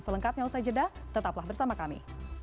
selengkapnya usai jeda tetaplah bersama kami